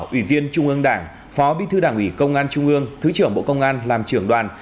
ủy viên trung ương đảng phó bí thư đảng ủy công an trung ương thứ trưởng bộ công an làm trưởng đoàn